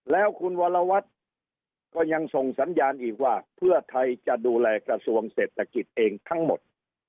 แล้วคุณวรวัตรก็ยังส่งสัญญาณอีกว่าเพื่อไทยจะดูแลกระทรวงเศรษฐกิจเองทั้งหมด